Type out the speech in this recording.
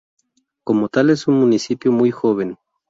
Como tal es un municipio muy joven.